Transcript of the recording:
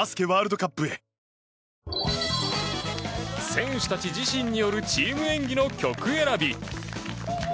選手たち自身によるチーム演技の曲選び。